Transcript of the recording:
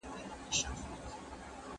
¬ خېشکي، چي ډوډۍ خوري دروازې پېش کي.